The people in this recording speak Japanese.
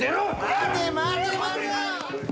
待て待て待て！